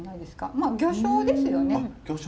まあ魚醤ですよね。